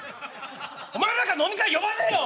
お前なんか飲み会呼ばねえよ！